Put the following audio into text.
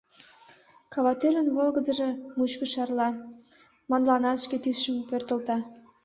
Каватӱрын волгыдыжо мучко шарла, мландыланат шке тӱсшым пӧртылта.